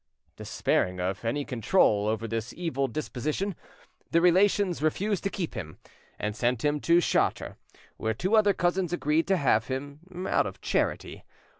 Despairing of any control over this evil disposition, the relations refused to keep him, and sent him to Chartres, where two other cousins agreed to have him, out of charity.